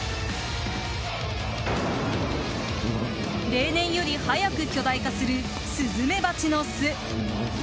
例年より早く巨大化するスズメバチの巣。